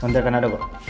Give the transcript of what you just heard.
nanti akan ada kok